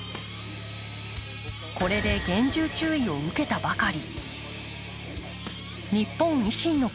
これで厳重注意を受けたばかり。